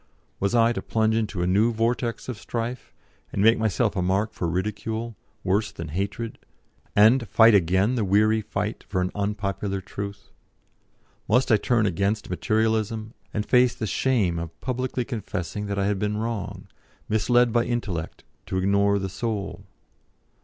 Was I to plunge into a new vortex of strife, and make myself a mark for ridicule worse than hatred and fight again the weary fight for an unpopular truth? Must I turn against Materialism, and face the shame of publicly confessing that I had been wrong, misled by intellect to ignore the Soul?